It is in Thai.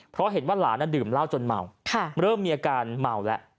เพราะเห็นว่าหลานดื่มเหล้าจนเมาเริ่มมีอาการเมาแล้ว